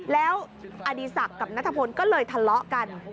แล้วอดีศักดิ์กับนัทพลก็เลยทะเลาะกัน